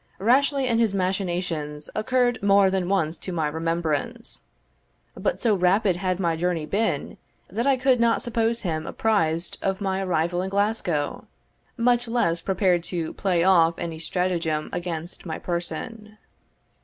Rashleigh and his machinations occurred more than once to my remembrance; but so rapid had my journey been, that I could not suppose him apprised of my arrival in Glasgow, much less prepared to play off any stratagem against my person.